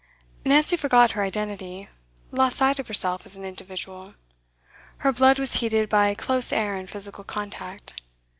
Nancy forgot her identity, lost sight of herself as an individual. Her blood was heated by close air and physical contact.